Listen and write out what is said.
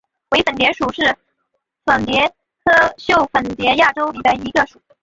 伪粉蝶属是粉蝶科袖粉蝶亚科里的一个属。